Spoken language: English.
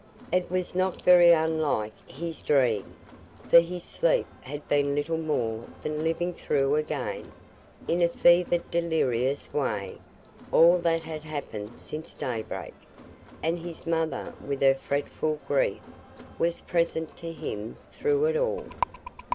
It was not very unlike his dream, for his sleep had been little more than living through again, in a fevered delirious way, all that had happened since daybreak, and his mother with her fretful grief was present to him through it all.